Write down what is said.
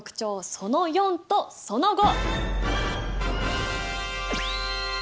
その４とその５！